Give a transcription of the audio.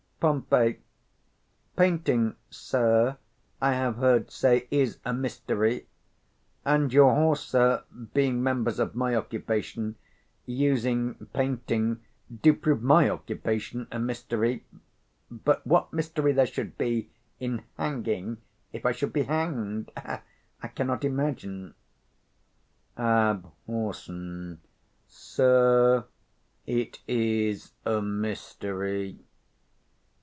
Pom. Painting, sir, I have heard say, is a mystery; and your whores, sir, being members of my occupation, using painting, do prove my occupation a mystery: but what mystery there should be in hanging, if I should be 35 hanged, I cannot imagine. Abhor. Sir, it is a mystery.